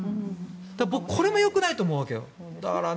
ぼく、これも良くないと思うわけよ。